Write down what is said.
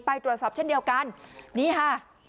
ไปโทรศัพท์เช่นเดียวกันนี่ค่ะ